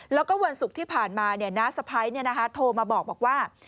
แล้วก็วันศุกร์ที่ผ่านมาน้าสะพ้ายโทรมาบอกว่า